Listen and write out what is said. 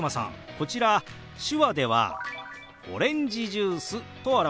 こちら手話では「オレンジジュース」と表しますよ。